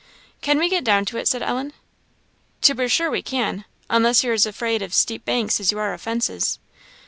"Can't we get down to it?" said Ellen. "To be sure we can, unless you're as afraid of steep banks as you are of fences."